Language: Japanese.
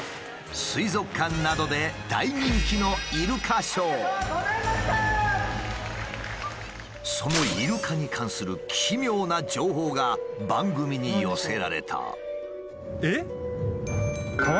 水族館などで大人気のそのイルカに関する奇妙な情報が番組に寄せられた。